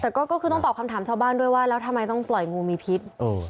แต่ก็คือต้องตอบคำถามชาวบ้านด้วยว่าแล้วทำไมต้องปล่อยงูมีพิษ